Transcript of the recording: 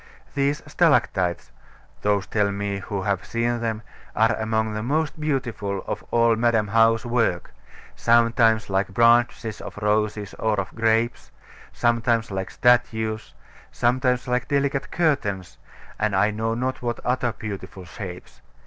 These stalactites (those tell me who have seen them) are among the most beautiful of all Madam How's work; sometimes like branches of roses or of grapes; sometimes like statues; sometimes like delicate curtains, and I know not what other beautiful shapes.